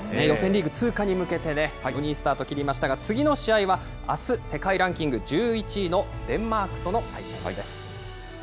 予選リーグ通過に向けて、本当にいいスタートを切りましたが、次の試合はあす、世界ランキング１１位のデンマークとの対戦です。